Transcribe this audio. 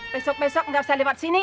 besok besok nggak usah lewat sini